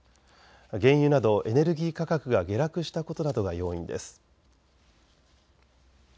原油など、エネルギー価格が下落したことなどが要因です。